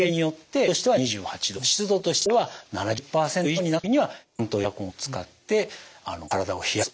温度としては２８度湿度としては７０％以上になった時にはちゃんとエアコンを使って体を冷やす。